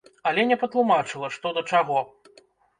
Але не патлумачыла, што да чаго.